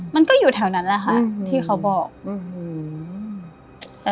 มันก็อยู่แถวนั้นแหละค่ะที่เขาบอกอืม